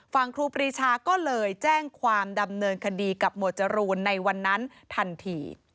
ครูปรีชาก็เลยแจ้งความดำเนินคดีกับหมวดจรูนในวันนั้นทันที